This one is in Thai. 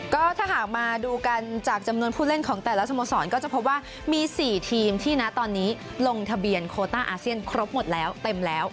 ก็ถ้าหากมาดูกันจากจำนวนผู้เล่นของแต่ละสโมสรก็จะพบว่ามี๔ทีมที่นะตอนนี้ลงทะเบียนโคต้าอาเซียนครบหมดแล้วเต็มแล้ว